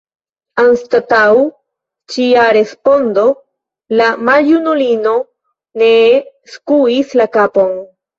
Anstataŭ ĉia respondo la maljunulino nee skuis la kapon.